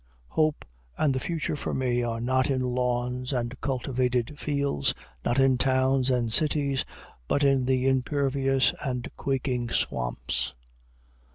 Hope and the future for me are not in lawns and cultivated fields, not in towns and cities, but in the impervious and quaking swamps.